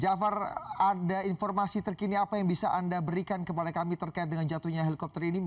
jafar ada informasi terkini apa yang bisa anda berikan kepada kami terkait dengan jatuhnya helikopter ini